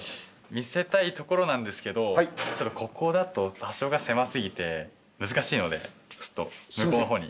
見せたいところなんですけどちょっとここだと場所が狭すぎて難しいのでちょっと向こうの方に。